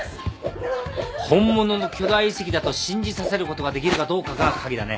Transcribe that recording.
本物の巨大遺跡だと信じさせることができるかどうかが鍵だね。